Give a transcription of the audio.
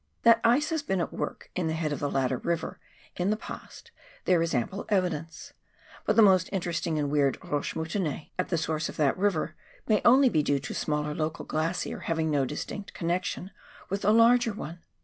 That ice has been at work in the head of the latter river, in the past, there is ample evidence ; but the most interesting and weird roches mou tonnees at the source of that river may only be due to a smaller local glacier having no direct connection with the larger one.